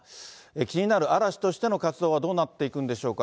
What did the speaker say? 気になる嵐としての活動はどうなっていくんでしょうか。